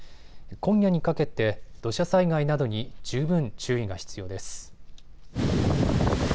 今夜にかけて土砂災害などに十分注意が必要です。